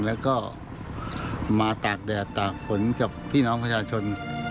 แล้วก็มาตากแดดตากฝนกับพี่น้องประชาชน